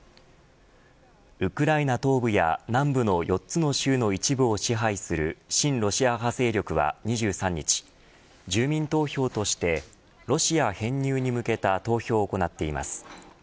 ウクライナ東部や南部の４つの州の一部を支配する親ロシア派勢力は２３日住民投票としてロシア編入に向けた投票を行っています。